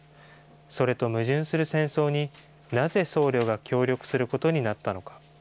それと矛盾する戦争に、なぜ僧侶が協力することになったのか。